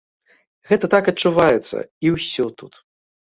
Гэта так адчуваецца, і ўсё тут.